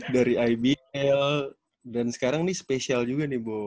dari ibl dan sekarang nih spesial juga nih bo